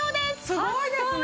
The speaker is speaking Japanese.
すごいですね！